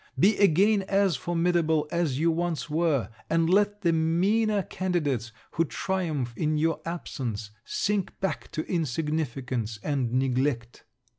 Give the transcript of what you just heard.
Be again as formidable as you once were; and let the meaner candidates, who triumph in your absence, sink back to insignificance and neglect!